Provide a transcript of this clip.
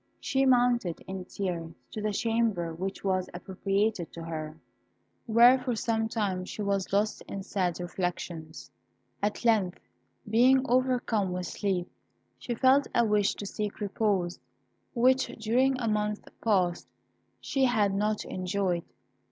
She mounted in tears to the chamber which was appropriated to her, where for some time she was lost in sad reflections. At length, being overcome with sleep, she felt a wish to seek repose, which, during a month past, she had not enjoyed.